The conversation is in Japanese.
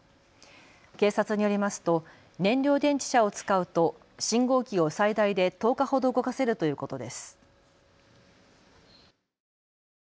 警察によりますと燃料電池車を使うと信号機を最大で１０日ほど動かせるということです。